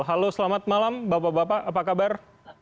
halo selamat malam bapak bapak apa kabar